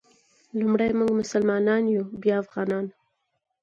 لومړی مونږ مسلمانان یو بیا افغانان.